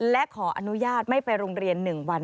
และขออนุญาตไม่ไปโรงเรียน๑วัน